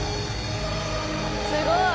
すごい！